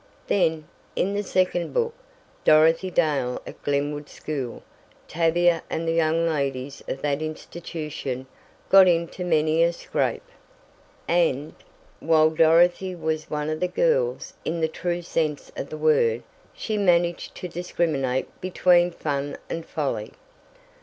Then, in the second book, "Dorothy Dale at Glenwood School," Tavia and the young ladies of that institution got into many a "scrape" and, while Dorothy was one of the girls, in the true sense of the word, she managed to discriminate between fun and folly.